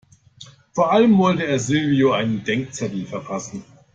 Vor allem wollte er Silvio einen Denkzettel verpassen.